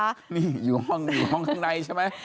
นี่อยู่ห้องข้างในใช่ไหม